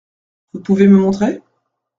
Vous pouvez me montrer ?